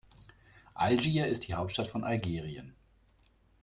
Algier ist die Hauptstadt von Algerien.